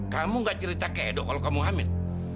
kamu nggak cerita kedu kalau kamu hamil